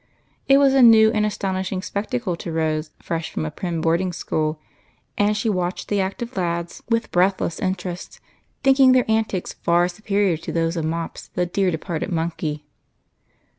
It was a new and astonishing spectacle to Rose, fresh from a prim boarding school, and she watched the active lads with breathless interest, thinking their antics far superior to those of Mops, the dear departed monkey.